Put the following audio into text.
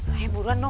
eh buruan dong